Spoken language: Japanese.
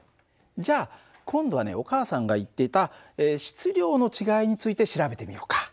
じゃあ今度はねお母さんが言っていた質量の違いについて調べてみようか。